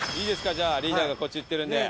じゃあリーダーがこっち言ってるんで。